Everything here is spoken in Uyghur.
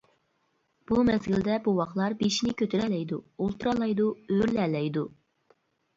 بۇ مەزگىلدە بوۋاقلار بېشىنى كۆتۈرەلەيدۇ، ئولتۇرالايدۇ، ئۆرۈلەلەيدۇ.